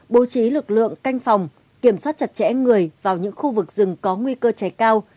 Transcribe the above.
bố trí lực lượng canh phòng kiểm soát chặt chẽ người vào những khu vực rừng có nguy cơ cháy cao